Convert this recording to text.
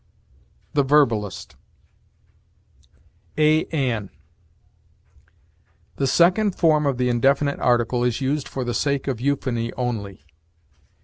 THE VERBALIST. A AN. The second form of the indefinite article is used for the sake of euphony only.